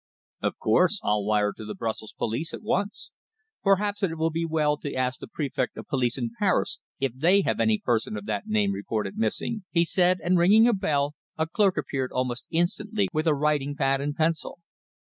"Of course. I'll wire to the Brussels police at once. Perhaps it will be well to ask the Préfect of Police in Paris if they have any person of that name reported missing," he said, and, ringing a bell, a clerk appeared almost instantly with a writing pad and pencil.